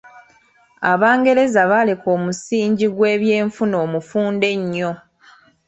Abangereza baaleka omusingi gw'ebyefuna omufunda ennyo